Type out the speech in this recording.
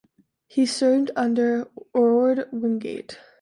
He served under Orde Wingate.